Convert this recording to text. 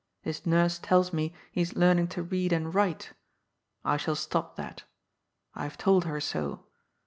His nurse tells me he is learning to read and write. I shall stop that. I have told her so.